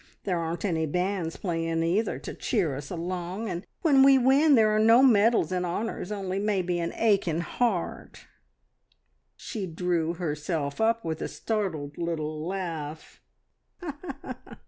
There aren't any bands playing, either, to cheer us along, and when we win there are no medals and honours, only maybe an aching heart!" She drew herself up with a startled little laugh.